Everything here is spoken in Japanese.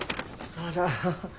あら。